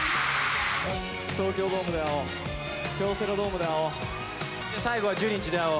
東京ドームで会おう、京セラドームで会おう、最後は樹んちで会おう。